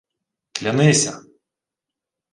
— Клянися!